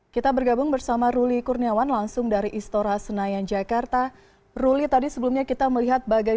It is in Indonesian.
kita bergabung bersama ruli kurniawan langsung dari istora senayan jakarta